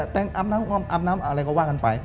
แต่งอาบน้ำความอาบน้ำอะไรก็ว่ากันไป